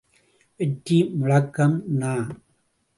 வெற்றி முழக்கம் நா.